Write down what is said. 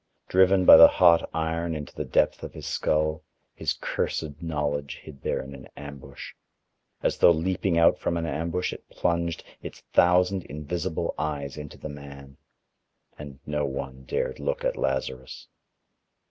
Driven by the hot iron into the depth of his skull, his cursed knowledge hid there in an ambush. As though leaping out from an ambush it plunged its thousand invisible eyes into the man, and no one dared look at Lazarus.